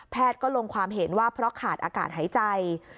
ก็ลงความเห็นว่าเพราะขาดอากาศหายใจ